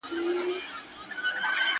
بس له اسمانه تندرونه اوري -